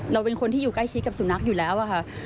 เราเป็นคนที่อยู่ใกล้ชิดกับสุนัขอยู่แล้วค่ะ